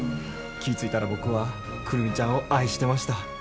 気ぃ付いたら僕は久留美ちゃんを愛してました。